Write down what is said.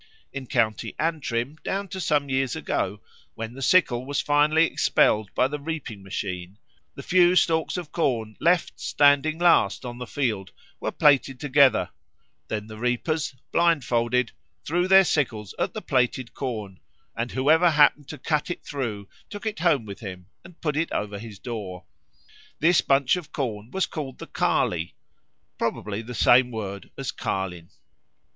In County Antrim, down to some years ago, when the sickle was finally expelled by the reaping machine, the few stalks of corn left standing last on the field were plaited together; then the reapers, blindfolded, threw their sickles at the plaited corn, and whoever happened to cut it through took it home with him and put it over his door. This bunch of corn was called the Carley probably the same word as Carlin.